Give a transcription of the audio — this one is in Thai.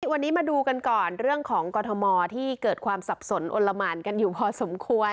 วันนี้มาดูกันก่อนเรื่องของกรทมที่เกิดความสับสนอนละหมานกันอยู่พอสมควร